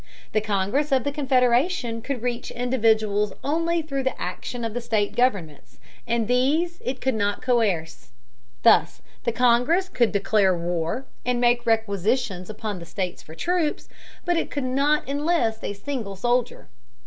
The Congress of the Confederation could reach individuals only through the action of the state governments, and these it could not coerce. Thus the Congress could declare war, and make requisitions upon the states for troops, but it could not enlist a single soldier.